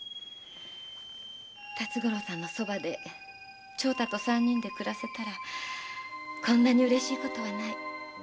辰五郎さんのそばで長太と三人で暮らせたらこんなに嬉しいことはない。